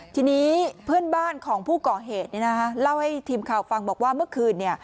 ทีนี้เพื่อนบ้านของผู้ก่อเหตุเล่าให้ทีมข่าวฟังบอกว่าเมื่อคืน